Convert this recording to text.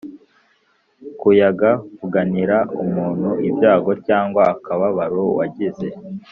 kuyaga: kuganira umuntu ibyago cyangwa akababaro wagize